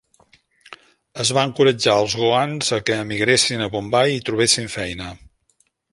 Es va encoratjar els Goans a què emigressin a Bombai i trobessin feina.